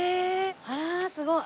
あらすごい。